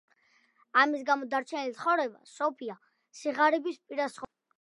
ამის გამო, დარჩენილი ცხოვრება სოფია სიღარიბის პირას ცხოვრობდა.